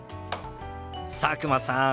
佐久間さん